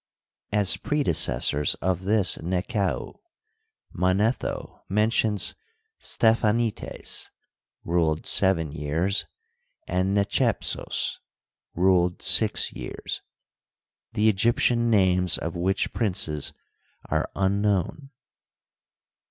As predecessors of this Nekau, Manetho men tions Stephanites (ruled seven years) and Nechepsos (ruled six years), the Egyptian names of which princes are un known.